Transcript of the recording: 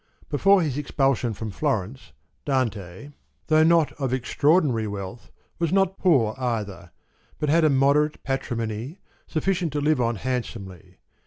Before his expulsion from Florence, Dante, though not K 129 of extraordinary wealth, was not poor either ; but had a moderate patrimony, sufficient to live on hand somely.